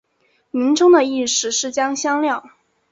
名称的意思是将香料。